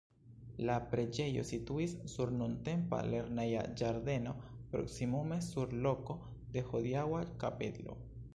La preĝejo situis sur nuntempa lerneja ĝardeno, proksimume sur loko de hodiaŭa kapelo.